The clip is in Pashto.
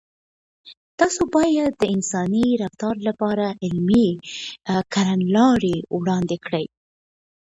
تاسو باید د انساني رفتار لپاره عملي کړنلارې وړاندې کړئ.